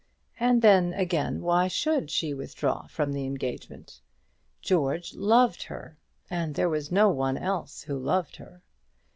And then, again, why should she withdraw from the engagement? George loved her; and there was no one else who loved her.